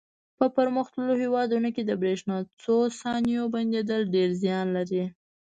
په پرمختللو هېوادونو کې د برېښنا څو ثانیو بندېدل ډېر زیان لري.